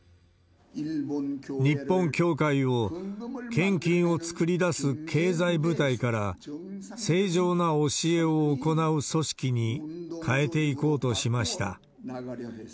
日本教会を、献金を作り出す経済部隊から、正常な教えを行う組織に変えていこうとしました。